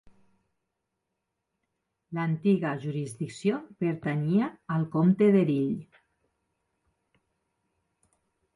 L'antiga jurisdicció pertanyia al comte d'Erill.